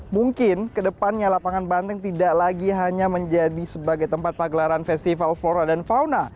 mungkin kedepannya lapangan banteng tidak lagi hanya menjadi sebagai tempat pagelaran festival flora dan fauna